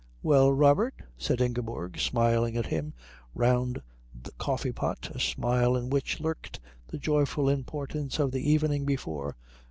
"Well, Robert?" said Ingeborg, smiling at him round the coffee pot, a smile in which lurked the joyful importance of the evening before.